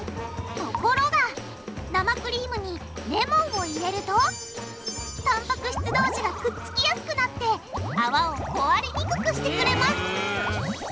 ところが生クリームにレモンを入れるとたんぱく質同士がくっつきやすくなって泡を壊れにくくしてくれますへぇ。